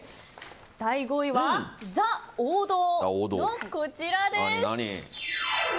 第５位は、ザ・王道のこちらです。